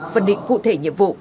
phân định cụ thể nhiệm vụ